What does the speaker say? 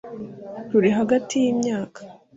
Ruri hagati y imyaka